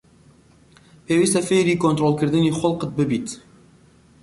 پێویستە فێری کۆنتڕۆڵکردنی خوڵقت ببیت.